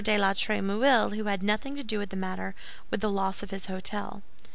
de la Trémouille, who had nothing to do with the matter, with the loss of his hôtel.